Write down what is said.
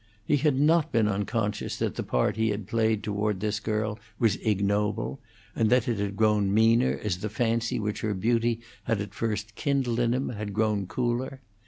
He had not been unconscious that the part he had played toward this girl was ignoble, and that it had grown meaner as the fancy which her beauty had at first kindled in him had grown cooler.